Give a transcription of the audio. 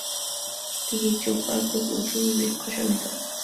দিঘীর চৌপাড় খুব উঁচু ও বৃক্ষ শোভিত।